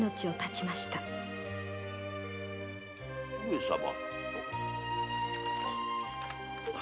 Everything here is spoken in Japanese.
上様。